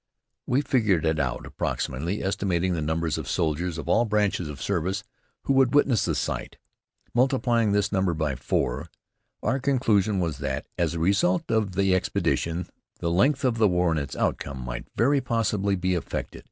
We figured it out approximately, estimating the numbers of soldiers, of all branches of service, who would witness the sight. Multiplying this number by four, our conclusion was that, as a result of the expedition, the length of the war and its outcome might very possibly be affected.